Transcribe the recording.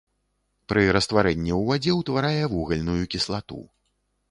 Пры растварэнні ў вадзе ўтварае вугальную кіслату.